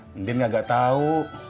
mending gak tau